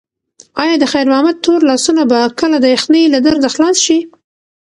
ایا د خیر محمد تور لاسونه به کله د یخنۍ له درده خلاص شي؟